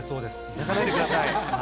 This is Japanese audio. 泣かないでください。